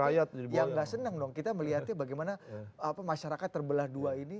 yang nggak senang dong kita melihatnya bagaimana masyarakat terbelah dua ini